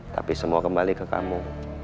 tapi semua kembali ke kamu